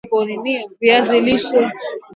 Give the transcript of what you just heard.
viazi lishe Vina vitamini K muhimu kugandisha damu